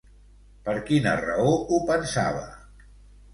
Per quina raó ho pensava?